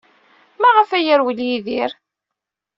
Maɣef ay yerwel Yidir?